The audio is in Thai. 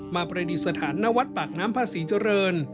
ประดิษฐานณวัดปากน้ำพระศรีเจริญ